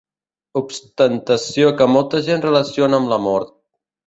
Ostentació que molta gent relaciona amb la mort.